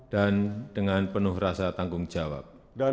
dan dengan penuh rasa tanggung jawab